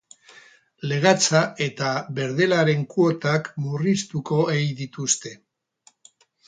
Legatza eta berdelaren kuotak murriztuko ei dituzte.